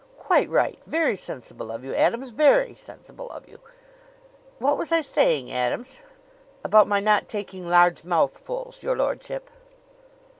"Quite right. Very sensible of you, Adams very sensible of you. Very sen What was I saying, Adams?" "About my not taking large mouthfuls, your lordship."